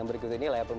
mbak dian kita tahan